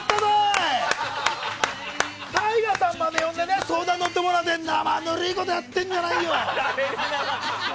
ＴＡＩＧＡさんまで呼んで相談に乗ってもらって生ぬるいことやってんじゃないよ！